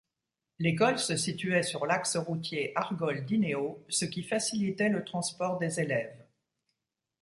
L'école se situait sur l'axe routier Argol-Dinéault, ce qui facilitait le transport des élèves.